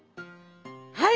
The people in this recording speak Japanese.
はい。